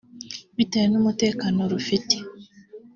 bitewe n’umutekano rufite